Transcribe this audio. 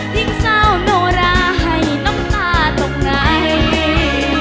ทิ้งสาวโนราให้น้ำตาตรงไหน